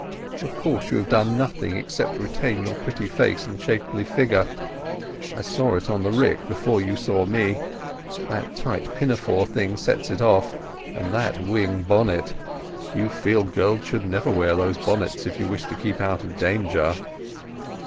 Of course you have done nothing except retain your pretty face and shapely figure. I saw it on the rick before you saw me—that tight pinafore thing sets it off, and that wing bonnet—you field girls should never wear those bonnets if you wish to keep out of danger."